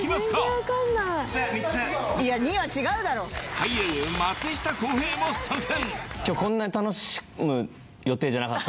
俳優・松下洸平も参戦！